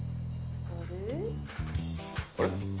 あれ？